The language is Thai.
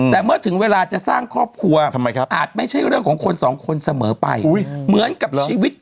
เหมือนกับชีวิต